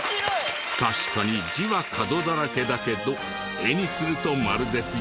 確かに字は角だらけだけど絵にすると丸ですよね。